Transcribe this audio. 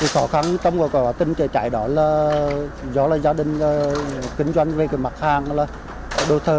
khó khăn trong vụ tình trường khái đó là do gia đình kinh doanh về mặt hàng là đồ thơ